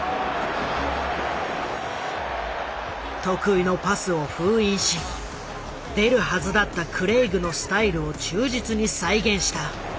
得意のパスを封印し出るはずだったクレイグのスタイルを忠実に再現した。